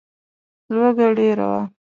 لوږه ډېره وه.